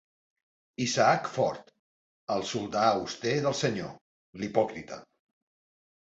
Isaac Ford, el soldat auster del senyor, l'hipòcrita.